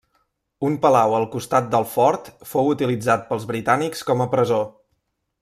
Un palau al costat del fort fou utilitzat pels britànics com a presó.